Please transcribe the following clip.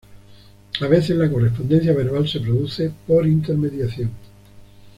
A veces la correspondencia verbal se produce por intermediación.